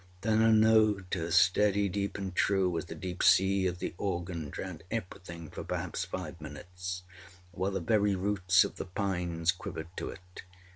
Then a note as steady, deep, and true as the deep C of the organ drowned everything for perhaps five minutes, while the very roots of the pines quivered to it.